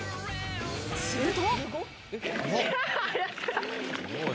すると。